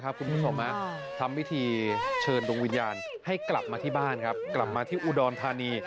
ได้แม่กระเป๋าเทวดาลูกค้าเทวดาคนหลู่แน่